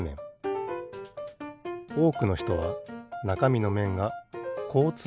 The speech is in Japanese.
おおくのひとはなかみのめんがこうつまっていると想像している。